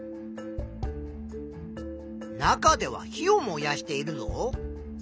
中では火を燃やしているぞ。